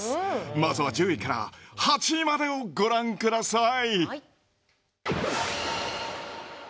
まずは１０位から８位までをご覧ください。